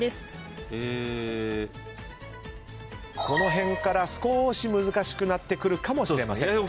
この辺から少し難しくなってくるかもしれません。